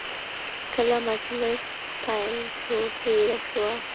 کله مجلس پیل شو، هیره شوه.